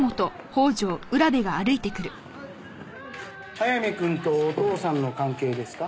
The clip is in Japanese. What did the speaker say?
早見君とお父さんの関係ですか？